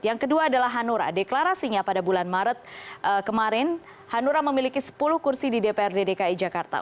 yang kedua adalah hanura deklarasinya pada bulan maret kemarin hanura memiliki sepuluh kursi di dprd dki jakarta